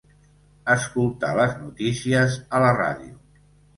Escoltar les notícies a la ràdio.